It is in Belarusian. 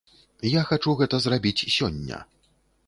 Я хачу гэта зрабіць сёння.